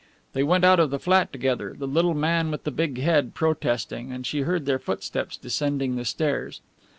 They went out of the flat together, the little man with the big head protesting, and she heard their footsteps descending the stairs.